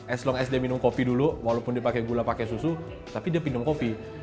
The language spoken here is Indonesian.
es long sd minum kopi dulu walaupun dia pakai gula pakai susu tapi dia minum kopi